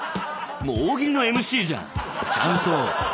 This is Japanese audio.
大喜利のＭＣじゃんちゃんと。